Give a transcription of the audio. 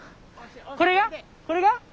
これが？これが？